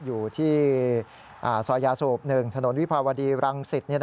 อยู่ที่สอยาสวบ๑ถนนวิภาวดีรังศิษย์